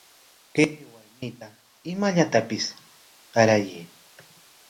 Kay warmita imallatapis qarayuy.